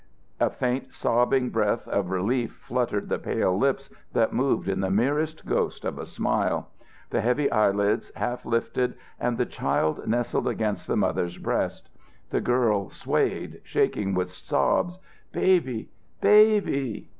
A faint sobbing breath of relief fluttered the pale lips that moved in the merest ghost of a smile. The heavy eyelids half lifted and the child nestled against its mother's breast. The girl swayed, shaking with sobs, "Baby baby!"